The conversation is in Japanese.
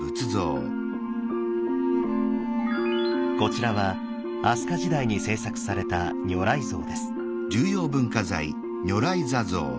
こちらは飛鳥時代に制作された如来像です。